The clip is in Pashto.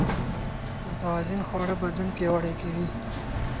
متوازن خواړه بدن پياوړی کوي.